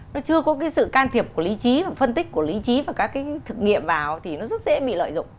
nó chưa có cái sự can thiệp của lý trí và phân tích của lý trí và các cái thực nghiệm vào thì nó rất dễ bị lợi dụng